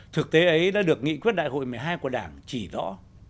thực tế ấy đã được nghị quyết đại hội một mươi hai của đảng chỉ rõ